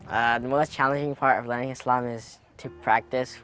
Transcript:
yang paling mencabar dalam belajar islam adalah untuk berlatih